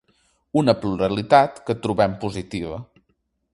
Una pluralitat que trobem positiva.